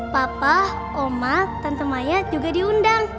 papa oma tante maya juga diundang